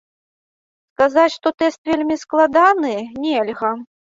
Сказаць, што тэст вельмі складаны, нельга.